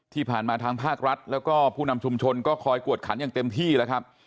ที่ผ่านมาทางภาครัฐแล้วก็ผู้นำชุมชนก็คอยกวดขันอย่างเต็มที่แล้วครับ